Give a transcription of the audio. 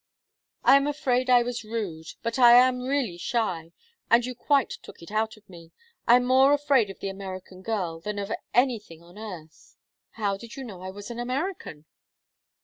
"I am afraid I was rude. But I am really shy, and you quite took it out of me. I am more afraid of the American girl than of anything on earth." "How did you know I was an American?"